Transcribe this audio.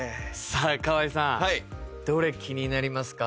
さあ河合さんどれ気になりますか？